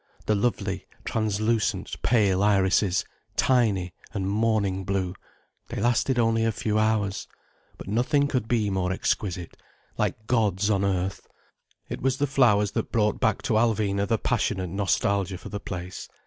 The lovely translucent pale irises, tiny and morning blue, they lasted only a few hours. But nothing could be more exquisite, like gods on earth. It was the flowers that brought back to Alvina the passionate nostalgia for the place.